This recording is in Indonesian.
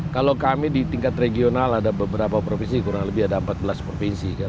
kalau kami di tingkat regional ada beberapa provinsi kurang lebih ada empat belas provinsi kan